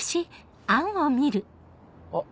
あっ。